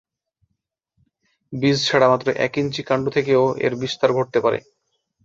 বীজ ছাড়া মাত্র এক ইঞ্চি কাণ্ড থেকেও এর বিস্তার ঘটতে পারে।